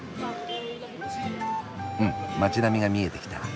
うん街並みが見えてきた。